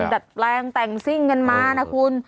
ก็คงดัดแปลงแต่งสิ้งกันมานะคุณ